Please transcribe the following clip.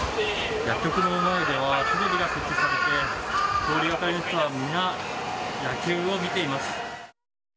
薬局の前ではテレビが設置されて通りがかりの人は皆、野球を見ています。